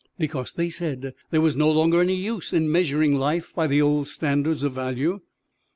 Because, they said, there was no longer any use in measuring life by the old standards of value.